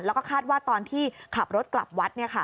แล้วก็คาดว่าตอนที่ขับรถกลับวัด